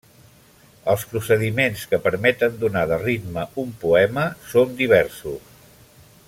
Els procediments que permeten dotar de ritme un poema són diversos.